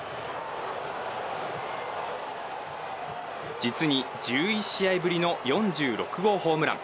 実に１１試合ぶりの４６号ホームラン。